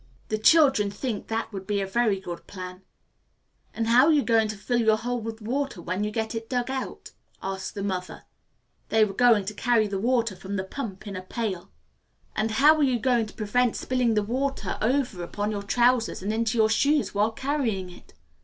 The children think that would be a very good plan. "And how are you going to fill your hole with water when you get it dug out?" asks the mother. They were going to carry the water from the pump in a pail. "And how are you going to prevent spilling the water over upon your trousers and into your shoes while carrying it?"